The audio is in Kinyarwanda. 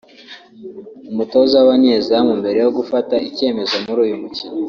umutoza w’abanyezamu mbere yo gufata icyemezo muri uyu mukino